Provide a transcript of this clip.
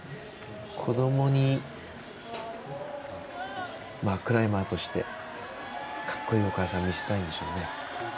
子どもにクライマーとしてかっこいいお母さん見せたいんでしょうね。